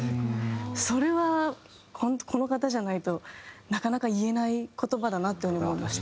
それはこの方じゃないとなかなか言えない言葉だなっていう風に思いました。